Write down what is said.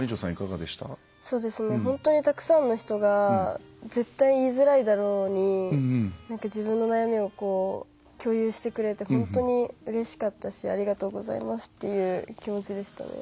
本当にたくさんの人が絶対言いづらいだろうに自分の悩みを共有してくれて本当にうれしかったしありがとうございますっていう気持ちでしたね。